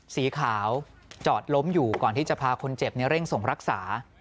สีขาวจอดล้มอยู่ก่อนที่จะพาคนเจ็บเร่งส่งรักษา